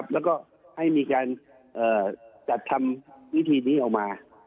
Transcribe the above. แล้วก็ให้มีการจัดทำวิธีนี้ออกมา